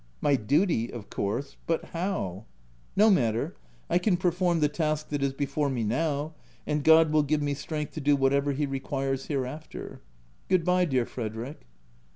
My duty, of course, — but how ?— No matter ; I can perform the task that is before me now, and God will give me strength to do whatever he requires hereafter. — Good bye, dear Frederick.